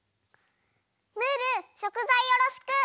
ムールしょくざいよろしく！